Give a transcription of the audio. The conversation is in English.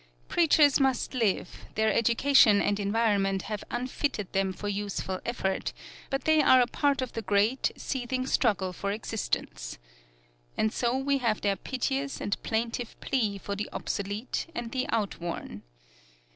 Preachers must live; their education and environment have unfitted them for useful effort; but they are a part of the great, seething struggle for existence. And so we have their piteous and plaintive plea for the obsolete and the outworn.